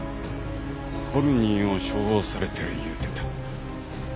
ホルニンを処方されてる言うてた。